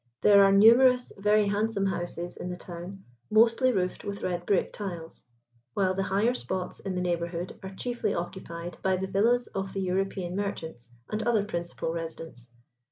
There are numerous very handsome houses in the town, mostly roofed with red brick tiles, while the higher spots in the neighbourhood are chiefly occupied by the villas of the European merchants and other principal residents.